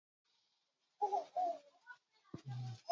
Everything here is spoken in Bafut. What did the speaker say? Tɨgə bìꞌiyu tswe aa tsiꞌì nɨ̂ ǹtɨɨ mɔꞌɔ̀?